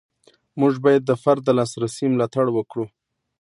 موږ باید د فرد د لاسرسي ملاتړ وکړو.